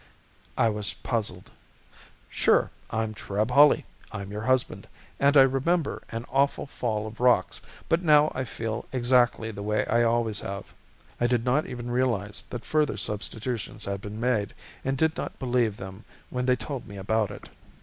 I was puzzled. "Sure, I'm Treb Hawley, I'm your husband, and I remember an awful fall of rocks but now I feel exactly the way I always have." I did not even realize that further substitutions had been made and did not believe them when they told me about it.